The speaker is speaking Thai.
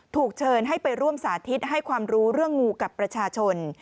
ถูกเชิญให้ไปร่วมสาธิตให้ความรู้เรื่องงูกับประชาชน